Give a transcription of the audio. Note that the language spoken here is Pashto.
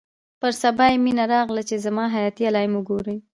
پر سبا يې مينه راغله چې زما حياتي علايم وګوري.